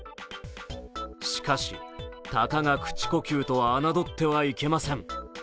しかしたかが口呼吸と侮ってはいけません。